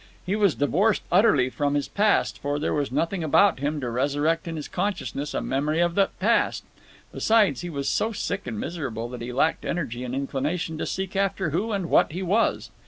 He was divorced utterly from his past, for there was nothing about him to resurrect in his consciousness a memory of that past. Besides, he was so sick and miserable that he lacked energy and inclination to seek after who and what he was.